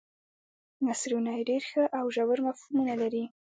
نثرونه یې ډېر ښه او ژور مفهومونه لري.